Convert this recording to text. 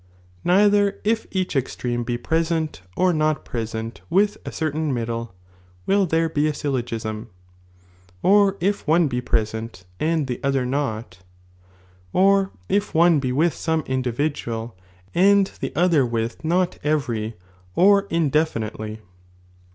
Neither if each ex treme be presenter not presentwithacerlain middle, will there beasyllc^sm ; or ifone be present and the other not ; orifonebe with aoroe individual and the other with not every or indefinitely.